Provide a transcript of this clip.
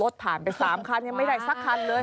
ผ่านไป๓คันยังไม่ได้สักคันเลย